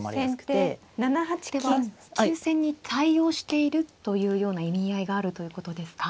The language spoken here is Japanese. では急戦に対応しているというような意味合いがあるということですか。